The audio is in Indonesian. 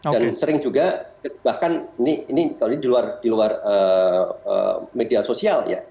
sering juga bahkan ini di luar media sosial ya